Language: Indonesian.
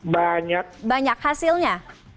banyak banyak hasilnya